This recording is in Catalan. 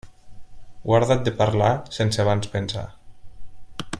Guarda't de parlar, sense abans pensar.